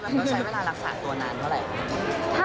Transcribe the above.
วันนี้มันก็ใช้เวลารักษาตัวนานเท่าไร